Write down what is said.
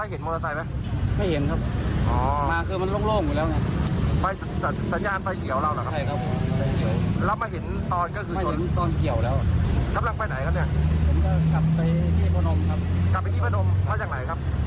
กลับไปที่พนมเพราะอย่างไรครับ